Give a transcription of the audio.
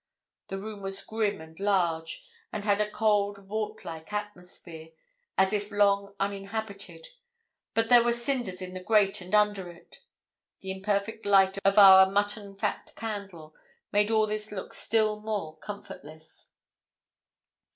The room was grim and large, and had a cold, vault like atmosphere, as if long uninhabited; but there were cinders in the grate and under it. The imperfect light of our mutton fat candle made all this look still more comfortless.